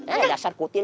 eh dasar kutin